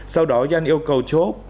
sau đó nhan yêu cầu chok